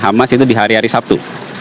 hamas itu di hari hari sabtu